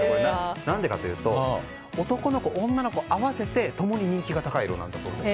なんでかというと男の子、女の子合わせて共に人気が高い色なんだそうです。